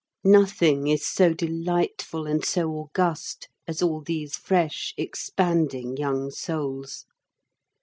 Nothing is so delightful and so august as all these fresh, expanding young souls.